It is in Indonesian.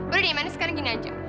udah dimanis sekarang gini aja